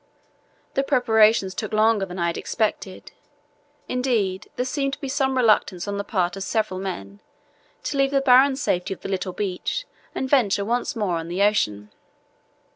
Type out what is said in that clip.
The preparations took longer than I had expected; indeed, there seemed to be some reluctance on the part of several men to leave the barren safety of the little beach and venture once more on the ocean.